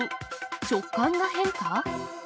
食感が変化？